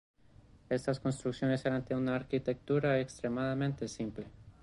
Estas construcciones eran de una arquitectura extremadamente simple.